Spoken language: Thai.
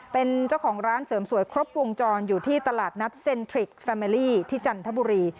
เป็นเจ้าของร้านเสริมสวยครบวงจรอยู่ที่ตลาดนัดเซ็นทริกแฟเมลี่ที่จันทบุรี